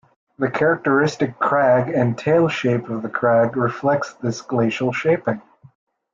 The characteristic crag and tail shape of the crag reflects this glacial shaping.